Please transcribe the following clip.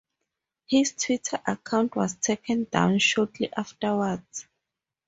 His Twitter account was taken down shortly afterwards.